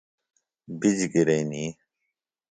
بِجیۡ گِرئنی۔